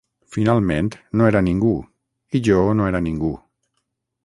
Finalment, no era ningú, i jo no era ningú.